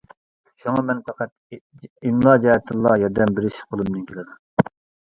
شۇڭا مەن پەقەت ئىملا جەھەتتىنلا ياردەم بېرىش قولۇمدىن كېلىدۇ.